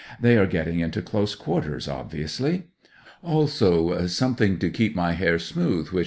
They are getting into close quarters, obviously. Also, 'Something to keep my hair smooth, which M.